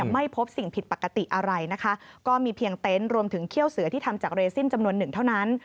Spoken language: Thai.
ไม่พบสิ่งผิดปกติอะไรนะคะก็มีเพียงเต็นต์รวมถึงเขี้ยวเสือที่ทำจากเรซินจำนวนหนึ่งเท่านั้น